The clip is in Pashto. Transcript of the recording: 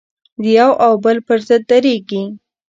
د یوه او بل پر ضد درېږي.